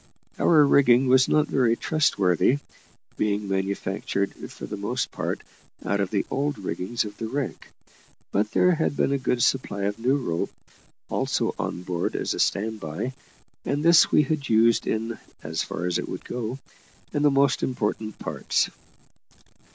Our rigging was not very trustworthy, being manufactured, for the most part, out of the old rigging of the wreck; but there had been a good supply of new rope also on board, as a stand by, and this we had used in, as far as it would go, in the most important parts.